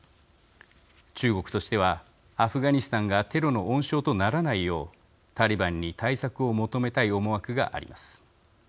中国としては、アフガニスタンがテロの温床とならないようタリバンに対策を求めたい思惑があります。